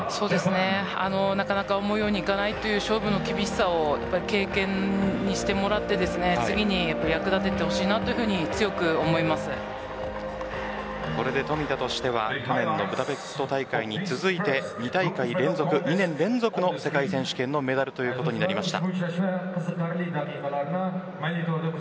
なかなか思うようにいかない勝負の厳しさを経験にしてもらって次に役立ててほしいというふうにこれで冨田としては去年のブダペスト大会に続いて２大会連続、２年連続の世界選手権のメダルとなりました。